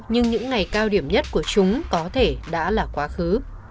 nhưng những ngày cao điểm nhất của chúng có thể đã là quá khứ